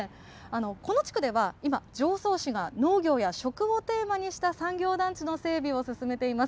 この地区では、今、常総市が農業や食をテーマにした産業団地の整備を進めています。